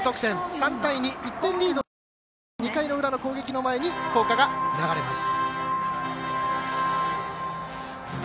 ３対２、１点リード長崎商業２回の裏の攻撃の前に校歌が流れます。